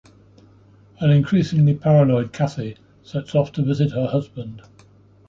An increasingly paranoid Kathy sets off to visit her husband.